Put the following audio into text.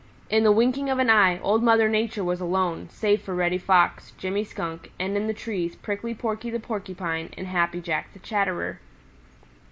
In the winking of an eye Old Mother Nature was alone, save for Reddy Fox, Jimmy Skunk, and in the trees Prickly Porky the Porcupine and Happy Jack and Chatterer.